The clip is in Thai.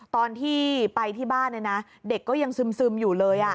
ตอนที่ไปที่บ้านเด็กก็ยังซึมอยู่เลย